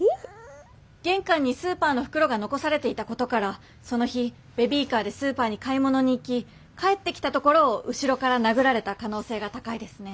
玄関にスーパーの袋が残されていたことからその日ベビーカーでスーパーに買い物に行き帰ってきたところを後ろから殴られた可能性が高いですね。